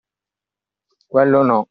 Quello no!